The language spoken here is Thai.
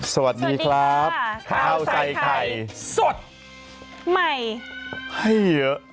สวัสดีครับข้าวใส่ไข่สดใหม่ให้เยอะ